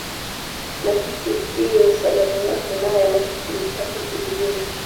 Nahisi hiyo salamu yako nayo nahisi ni chafu hivyo hivyo